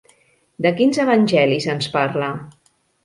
De quins evangelis ens parla?